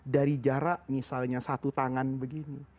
dari jarak misalnya satu tangan begini